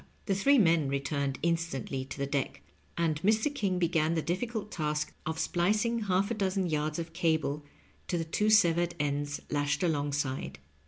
The three men returned instantly to ihe deck, and Mr. King began the diflScult task of splicing half a dozen yards of cable to the two severed ends lashed alongside.